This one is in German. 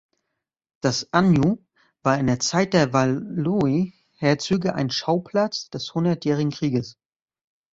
Das Anjou war in der Zeit der Valois-Herzöge ein Schauplatz des hundertjährigen Krieges.